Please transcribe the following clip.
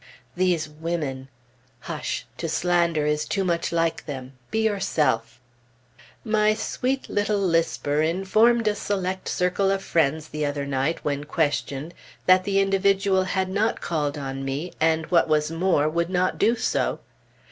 These women ! Hush! to slander is too much like them; be yourself. My sweet little lisper informed a select circle of friends the other night, when questioned, that the individual had not called on me, and, what was more, would not do so.